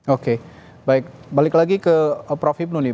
oke baik balik lagi ke prof ibnu nih